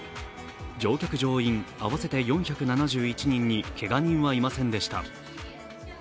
乗客・乗員合わせて４７１人にけが人はいませんでした。